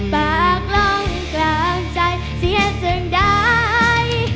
ปากลงกลางใจเสียจนได้